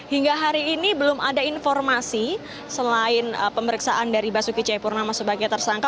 hingga hari ini belum ada informasi selain pemeriksaan dari basuki cepurnama sebagai tersangka